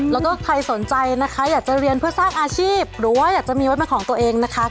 แล้วก็ใครสนใจนะคะอยากจะเรียนเพื่อสร้างอาชีพหรือว่าอยากจะมีไว้เป็นของตัวเองนะคะ